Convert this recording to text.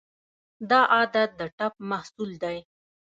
دا عادت د ټپ محصول دی.